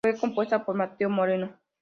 Fue compuesta por Mateo Moreno.